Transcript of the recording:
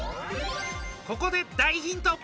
ここで大ヒント！